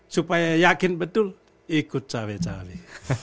supaya yakin betul ikut cari cari